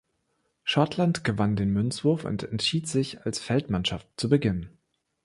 Schottland gewann den Münzwurf und entschied sich als Feldmannschaft zu beginnen.